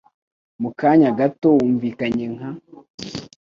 Mu kanya gato, wumvikanye nka .